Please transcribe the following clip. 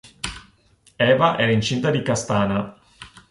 Eva era incinta di Castana.